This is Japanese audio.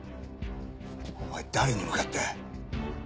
お前誰に向かって。